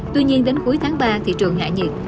tuy nhiên đến cuối tháng ba thị trường hạ nhiệt